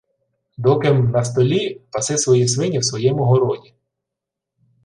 — Доки-м на столі, паси свої свині в своєму городі.